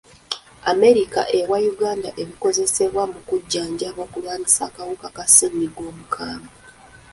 America ewa Uganda ebikozesebwa mu kujjanjaba okulwanyisa akawuka ka ssenyiga omukambwe.